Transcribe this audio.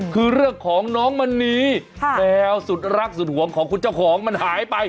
คือเรื่องของน้องมณีแมวสุดรักสุดห่วงของคุณเจ้าของมันหายไป